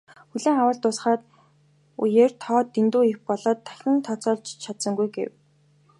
"Хүлээн авалт дуусах үеэр тоо нь дэндүү их болоод дахиж тооцоолж ч чадсангүй" гэв.